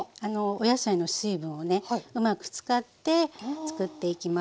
お野菜の水分をうまく使ってつくっていきます。